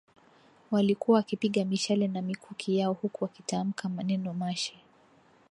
walikuwa wakipiga mishale na mikuki yao huku wakitamka neno mashe